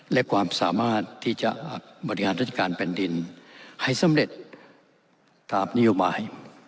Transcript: และความสามารถที่จะบริหารราชการแผ่นดินให้สำเร็จตามนโยบาย